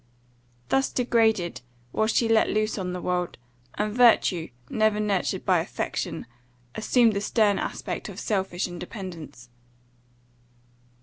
Thus degraded, was she let loose on the world; and virtue, never nurtured by affection, assumed the stern aspect of selfish independence.